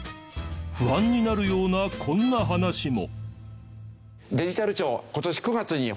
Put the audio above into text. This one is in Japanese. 不安になるようなこんな話も。